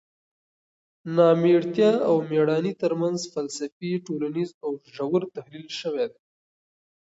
نامېړتیا او مېړانې ترمنځ فلسفي، ټولنیز او ژور تحلیل شوی دی.